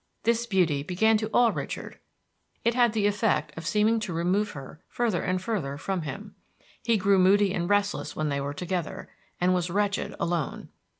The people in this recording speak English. This beauty began to awe Richard; it had the effect of seeming to remove her further and further from him. He grew moody and restless when they were together, and was wretched alone.